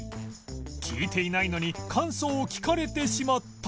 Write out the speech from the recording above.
聴いていないのに感想を聞かれてしまった